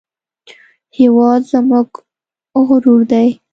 هېواد زموږ غرور دی